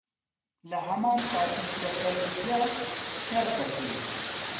لەهەمان کاتیش لە فەللوجە شەڕ دەکەین